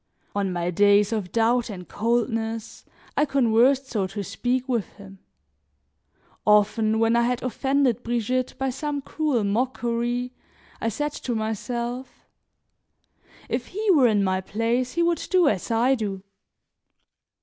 On my days of doubt and coldness, I conversed, so to speak, with him, often when I had offended Brigitte by some cruel mockery I said to myself: "If he were in my place he would do as I do!"